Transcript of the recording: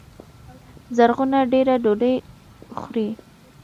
زرغونه دېره ډوډۍ خوري